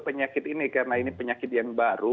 penyakit ini karena ini penyakit yang baru